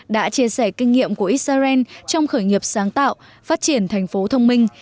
đã chia sẻ kinh nghiệm của israel trong khởi nghiệp sáng tạo phát triển thành phố thông minh